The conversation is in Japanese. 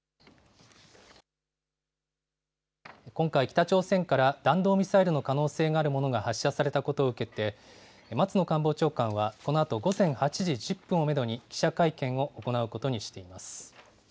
今回、北朝鮮から弾道ミサイルの可能性があるものが発射されたことを受けて、松野官房長官は、このあと午前８時１０分をメドに記者会見を行うことにしています。